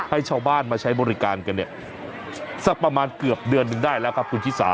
ให้ชาวบ้านมาใช้บริการกันเนี่ยสักประมาณเกือบเดือนหนึ่งได้แล้วครับคุณชิสา